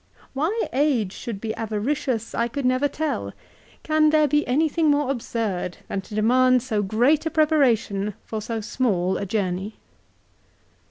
3 " Why age should be avaricious I could never tell. Can there be anything more absurd than to demand so great a preparation for so small a journey